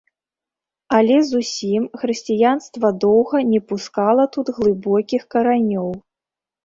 Але зусім хрысціянства доўга не пускала тут глыбокіх каранёў.